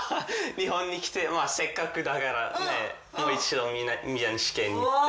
日本に来てせっかくだからねもう一度宮西家に来て。